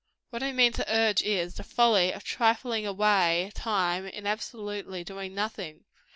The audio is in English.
What I mean to urge is, the folly of trifling away time in absolutely doing nothing.